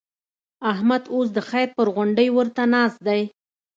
احمد اوس د خير پر غونډۍ ورته ناست دی.